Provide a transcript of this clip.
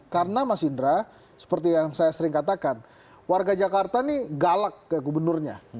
karena mas idra seperti yang saya sering katakan warga jakarta ini galak ke gubernurnya